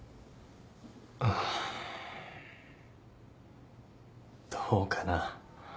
ああどうかな。